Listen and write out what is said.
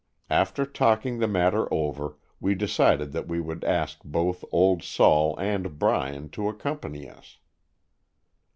After talking the matter over we decided that we would ask both "Old Sol" and Bryan to accom pany us.